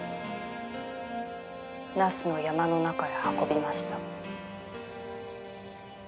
「那須の山の中へ運びました」